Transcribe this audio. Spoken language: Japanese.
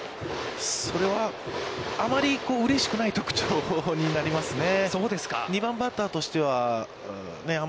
それはあまりうれしくない特徴になりますね。